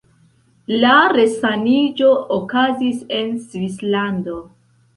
La resaniĝo okazis en Svislando.